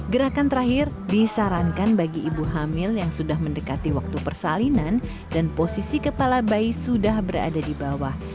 gerakan terakhir disarankan bagi ibu hamil yang sudah mendekati waktu persalinan dan posisi kepala bayi sudah berada di bawah